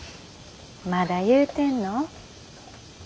まだ言うてんの？